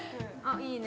いいね。